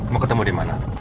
mau ketemu di mana